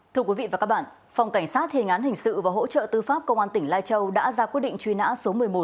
thưa quý vị và các bạn phòng cảnh sát thề ngán hình sự và hỗ trợ tư pháp công an tỉnh lai châu đã ra quyết định truy nã số một mươi một